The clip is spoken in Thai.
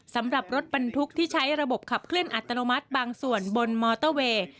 สำหรับรถบรรทุกที่ใช้ระบบขับเคลื่อนอัตโนมัติบางส่วนบนมอเตอร์เวย์